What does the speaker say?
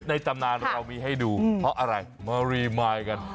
ตำนานเรามีให้ดูเพราะอะไรมารีมายกัน